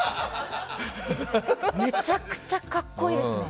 めちゃくちゃ格好いいですね。